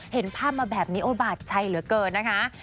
เห็นภาพมาแบบนี้โอ้บาดใจเหลือเกินนะคะ